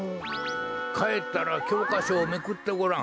かえったらきょうかしょをめくってごらん。